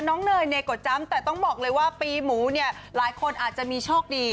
เนยเนยกดจำแต่ต้องบอกเลยว่าปีหมูเนี่ยหลายคนอาจจะมีโชคดี